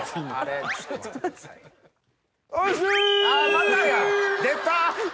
またや出た！